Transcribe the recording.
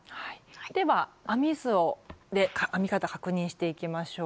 では編み図で編み方確認していきましょう。